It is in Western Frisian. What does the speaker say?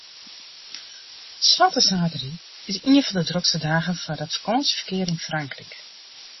Swarte saterdei is ien fan de drokste dagen foar it fakânsjeferkear yn Frankryk.